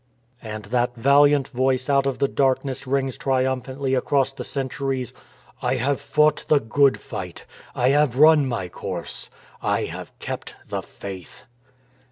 And that valiant Voice out of the dark ness rings triumphantly across the centuries: I HAVE FOUGHT THE GOOD FIGHT; I HAVE RUN MY COURSE; I HAVE KEPT THE FAITH.